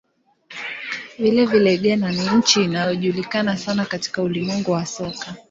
Vilevile, Ghana ni nchi inayojulikana sana katika ulimwengu wa soka.